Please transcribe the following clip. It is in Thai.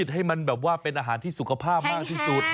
ให้มันแบบว่าเป็นอาหารที่สุขภาพมากที่สุด